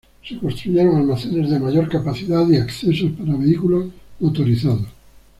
Se construyeron almacenes de mayor capacidad y accesos para vehículos motorizados.